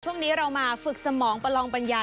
ช่วงนี้เรามาฝึกสมองประลองปัญญา